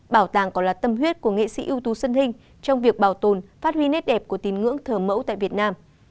bảo tàng còn là tâm huyết của nghệ sĩ ưu tú xuân trong việc bảo tồn phát huy nét đẹp của tín ngưỡng thờ mẫu tại việt nam